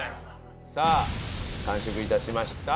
さあ完食致しました。